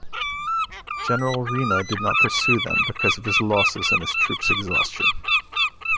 General Reno did not pursue them because of his losses and his troops' exhaustion.